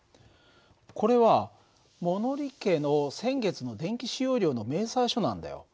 これは物理家の先月の電気使用量の明細書なんだよ。